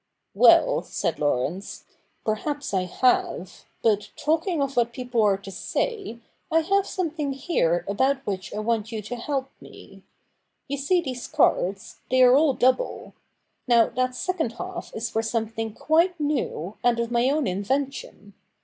'' Well,' said Laurence, ' perhaps I have ; but, talking of what people are to say, I have something here about which I want you to help me. You see these cards ; they are all double. Now that second half is for some thing quite new, and of my own invention.